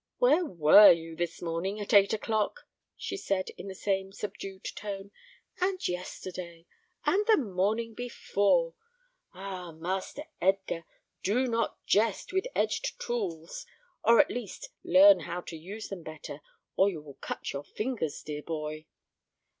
"Where were you this morning at eight o'clock?" she said, in the same subdued tone; "and yesterday, and the morning before? Ah, Master Edgar! do not jest with edged tools, or at least, learn how to use them better, or you will cut your fingers, dear boy!"